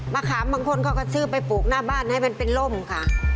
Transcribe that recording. มะขามบางคนก็ซื้อไปปลูกหน้าบ้านให้เป็นลมค่ะ